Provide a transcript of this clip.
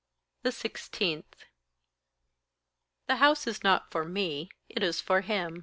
16. The house is not for me it is for him.